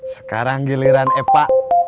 sekarang giliran epa